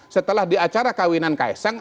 setelah di acara kawinan kaisang